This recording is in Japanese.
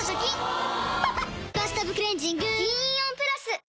・おぉ「バスタブクレンジング」銀イオンプラス！